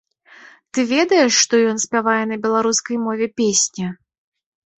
Ты ведаеш, што ён спявае на беларускай мове песні?